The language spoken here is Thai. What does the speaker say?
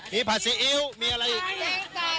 มีผัดซีอิ๊วมีอะไรอีก